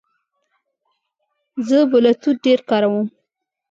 زه بلوتوث ډېر کاروم.